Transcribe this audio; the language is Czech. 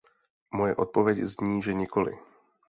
Moje odpověď zní, že nikoli.